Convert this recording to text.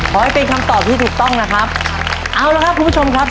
ขอให้เป็นคำตอบที่ถูกต้องนะครับเอาละครับคุณผู้ชมครับ